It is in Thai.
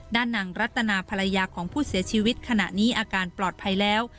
นางรัตนาภรรยาของผู้เสียชีวิตขณะนี้อาการปลอดภัยแล้ว